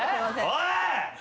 おい！